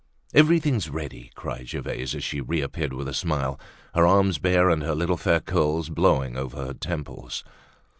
"Everything's ready!" cried Gervaise as she reappeared with a smile, her arms bare and her little fair curls blowing over her temples.